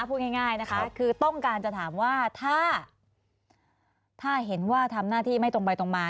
พูดง่ายนะคะคือต้องการจะถามว่าถ้าเห็นว่าทำหน้าที่ไม่ตรงไปตรงมา